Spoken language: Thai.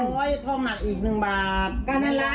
ไปกันดีกว่า